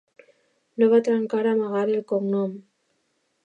No va tractar d'amagar el cognom…